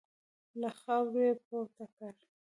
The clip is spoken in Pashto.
له خاورو يې پورته کړه.